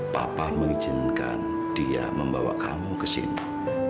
papa mengizinkan dia membawa kamu ke sini